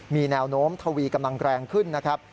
มีแนวโน้มทวีกำลังแรงขึ้นนะครับ